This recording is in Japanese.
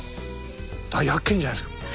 大発見じゃないですかこれ。